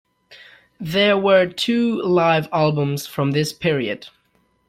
There were two live albums from this period.